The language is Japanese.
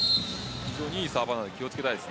いいサーバーなので気を付けたいです。